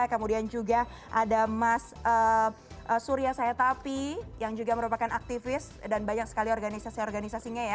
kemudian juga ada mas surya sayatapi yang juga merupakan aktivis dan banyak sekali organisasi organisasinya ya